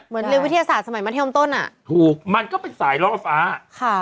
เรียนวิทยาศาสตร์สมัยมัธยมต้นอ่ะถูกมันก็เป็นสายล่อฟ้าค่ะ